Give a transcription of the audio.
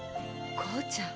公ちゃん。